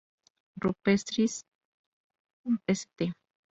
Rupestris St.